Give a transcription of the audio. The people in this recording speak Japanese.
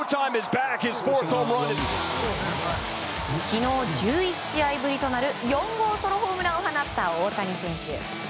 昨日１１試合ぶりとなる４号ソロホームランを放った大谷選手。